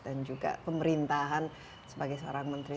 dan juga pemerintahan sebagai seorang menteri